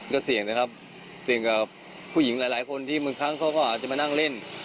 ก็เสี่ยงนะครับเสี่ยงกับผู้หญิงหลายคนที่บางครั้งเขาก็อาจจะมานั่งเล่น